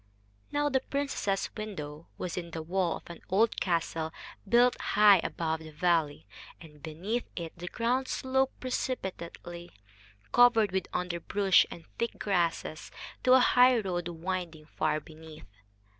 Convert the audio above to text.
Now the princess's window was in the wall of an old castle built high above the valley, and beneath it the ground sloped precipitately, covered with underbrush and thick grasses, to a highroad winding far beneath.